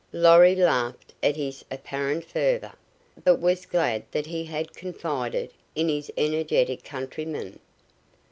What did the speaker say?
Lorry laughed at his apparent fervor, but was glad that he had confided in his energetic countryman.